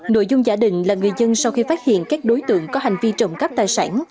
nội dung giả định là người dân sau khi phát hiện các đối tượng có hành vi trộm cắp tài sản